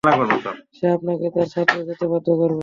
সে আপনাকে তার সাথে যেতে বাধ্য করবে।